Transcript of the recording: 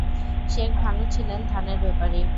শেখ ভানু ছিলেন ধানের বেপারী।